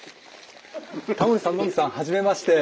タモリさん野口さんはじめまして。